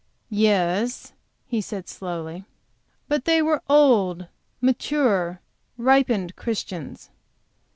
"Yes," he said, slowly; "but they were old, mature, ripened Christians."